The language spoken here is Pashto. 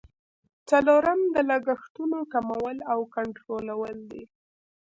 څلورم د لګښتونو کمول او کنټرولول دي.